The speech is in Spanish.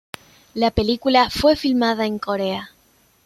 La película fue filmada en Corea.